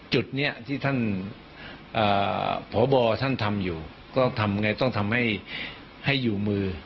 จุดนี้ที่ท่านพบท่านทำอยู่ก็ทำไงต้องทำให้ให้อยู่มือ